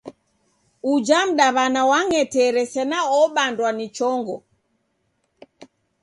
Uja mdaw'ana wang'etere sena obandwa ni chongo.